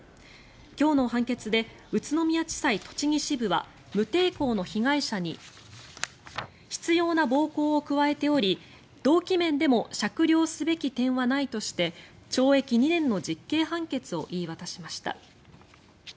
今日の判決で宇都宮地裁栃木支部は無抵抗の被害者に執ような暴行を加えており動機面でも酌量すべき点はないとして懲役２年の実刑判決を言い渡しました。